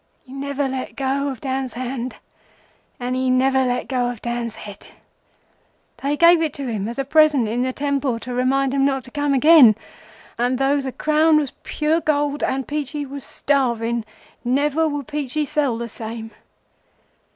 He never let go of Dan's hand, and he never let go of Dan's head. They gave it to him as a present in the temple, to remind him not to come again, and though the crown was pure gold, and Peachey was starving, never would Peachey sell the same.